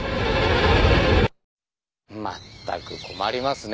まったく困りますね。